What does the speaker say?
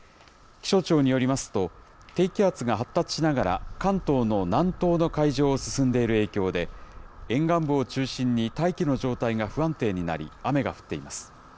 気象庁によりますと、低気圧が発達しながら関東の南東の海上を進んでいる影響で、沿岸部を中心に大気の状態が不安定になり、雨が降っています。